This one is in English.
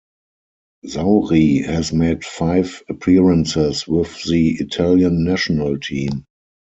Zauri has made five appearances with the Italian national team.